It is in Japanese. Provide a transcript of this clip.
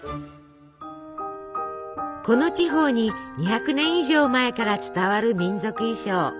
この地方に２００年以上前から伝わる民族衣装。